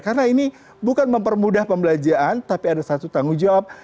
karena ini bukan mempermudah pembelanjaan tapi ada satu tanggung jawab